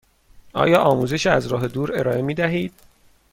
آیا آموزش از راه دور ارائه می دهید؟